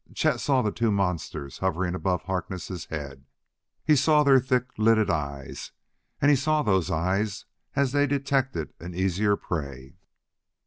Chet saw the two monsters hovering above Harkness' head; he saw their thick lidded eyes and he saw those eyes as they detected an easier prey.